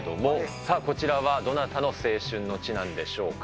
さあ、こちらはどなたの青春の地なんでしょうか。